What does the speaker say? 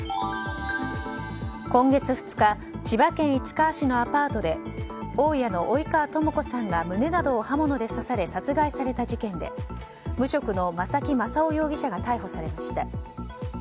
今月２日千葉県市川市のアパートで大家の及川知子さんが胸などを刃物で刺され殺害された事件で無職の真崎昌男容疑者が逮捕されました。